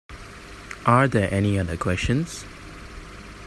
Are there any other questions?